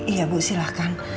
iya bu silahkan